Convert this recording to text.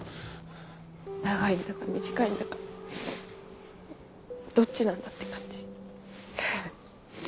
長いんだか短いんだかどっちなんだって感じ。